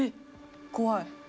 怖い。